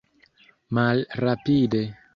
malrapide